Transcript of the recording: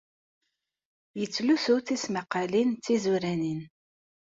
Yettlusu tismaqqalin d tizuranin.